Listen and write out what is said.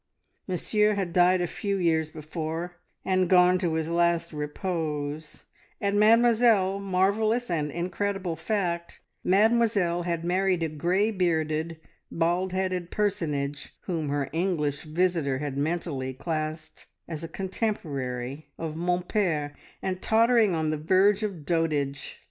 Monsieur had died a few years before and gone to his last "repose," and Mademoiselle marvellous and incredible fact Mademoiselle had married a grey bearded, bald headed personage whom her English visitor had mentally classed as a contemporary of "mon pere" and tottering on the verge of dotage.